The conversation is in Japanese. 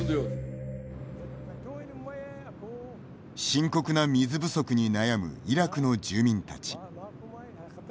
深刻な水不足に悩むイラクの住民たち。